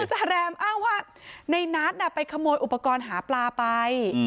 จาแรมอ้างว่าในนัทไปขโมยอุปกรณ์หาปลาไป